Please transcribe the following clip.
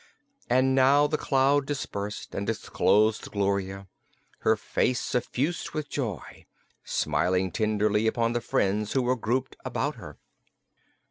And now the cloud dispersed and disclosed Gloria, her face suffused with joy, smiling tenderly upon the friends who were grouped about her.